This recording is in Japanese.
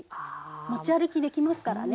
持ち歩きできますからね。